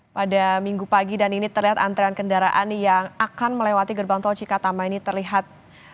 pada minggu pagi dan ini terlihat antrean kendaraan yang akan melewati gerbang tol cikatama ini terlihat